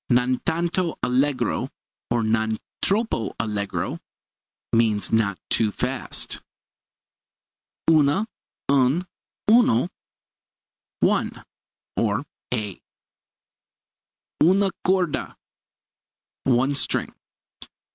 Non tanto allegro, or non troppo allegro not too fast. Una, un, uno one, or a. Una corda one string.